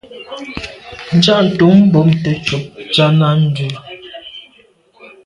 Njantùn bùnte ntshob Tshana ndù.